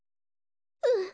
うん。